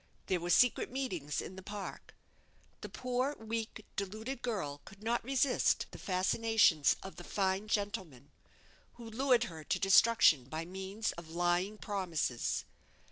There were secret meetings in the park. The poor, weak, deluded girl could not resist the fascinations of the fine gentleman who lured her to destruction by means of lying promises.